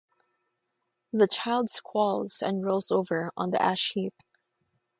The child squalls and rolls over on the ash-heap.